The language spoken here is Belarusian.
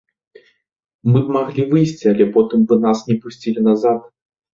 Мы б маглі выйсці, але потым бы нас не пусцілі назад.